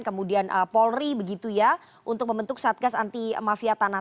kemudian polri begitu ya untuk membentuk satgas anti mafia tanah